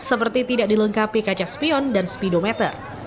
seperti tidak dilengkapi kaca spion dan speedometer